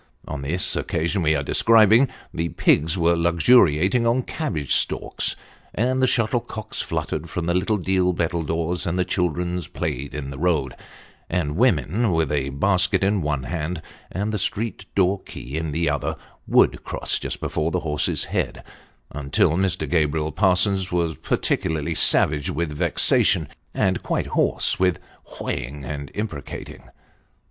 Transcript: On the occasion we are describing, the pigs were luxuriating on cabbage stalks, and the shuttlecocks fluttered from the little deal battledores, and the children played in the road ; and women, with a basket in one hand, and the street door key in the other, would cross just before the horse's head, until Mr. Solomon Jacobs s. 339 Mr. Gabriel Parsons was perfectly savage with vexation, and qnite hoarse with hoi ing and imprecating.